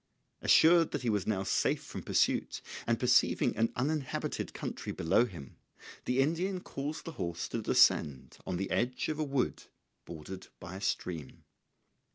Assured that he was now safe from pursuit, and perceiving an uninhabited country below him, the Indian caused the horse to descend on the edge of a wood bordered by a stream.